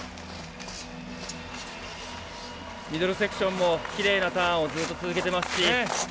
ミドルセクションもきれいなターンをずっと続けてます。